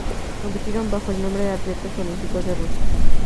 Compitieron bajo el nombre de Atletas Olímpicos de Rusia.